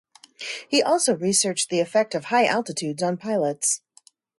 He also researched the effect of high altitudes on pilots.